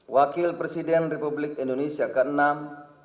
wakil presiden republik indonesia kenam